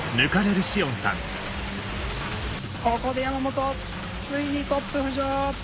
ここで山本ついにトップ浮上。